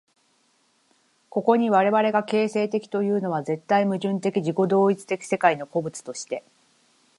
ここに我々が形成的というのは、絶対矛盾的自己同一的世界の個物として、